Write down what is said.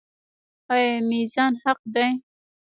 آیا میزان حق دی؟